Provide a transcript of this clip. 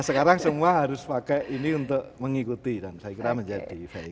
sekarang semua harus pakai ini untuk mengikuti dan saya kira menjadi value